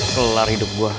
kelar hidup gue